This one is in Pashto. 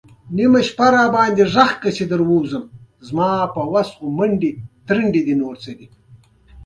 چابهار بندر افغانستان ته څومره ګټه لري؟